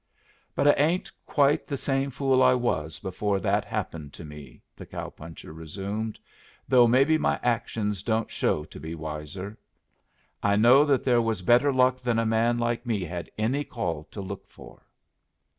"But I ain't quite the same fool I was before that happened to me," the cow puncher resumed, "though maybe my actions don't show to be wiser. I know that there was better luck than a man like me had any call to look for."